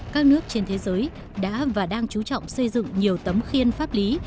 các nước trên thế giới đã và đang chú trọng xây dựng nhiều tấm khiên pháp lý